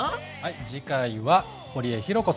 次回は堀江ひろ子さん。